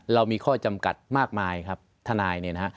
เรามีข้อจำกัดมากมายทนาย